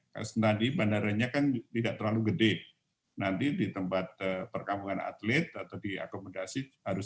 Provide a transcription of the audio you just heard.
karena di bandaranya kan tidak terlalu gede nanti di tempat perkabungan atlet atau diakomodasi harus